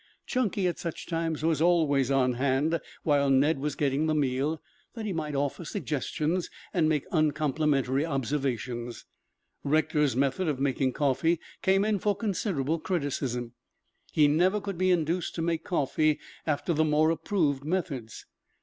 Chunky at such times was always on hand while Ned was getting the meal, that he might offer suggestions and make uncomplimentary observations. Rector's method of making coffee came in for considerable criticism. He never could be induced to make coffee after the more approved methods.